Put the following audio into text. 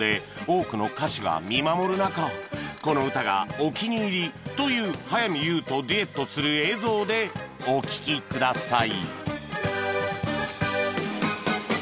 多くの歌手が見守る中この歌がお気に入りという早見優とデュエットする映像でお聴きください